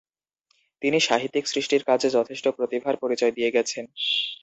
তিনি সাহিত্যিক সৃষ্টির কাজে যথেষ্ট প্রতিভার পরিচয় দিয়ে গেছেন।